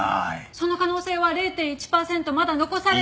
その可能性は０．１パーセントまだ残されて。